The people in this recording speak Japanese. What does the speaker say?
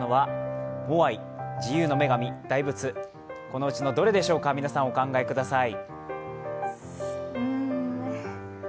このうちのどれでしょうか、皆さんお考えください。